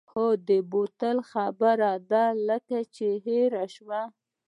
ها د بوتل خبره دې لکه چې هېره شوه.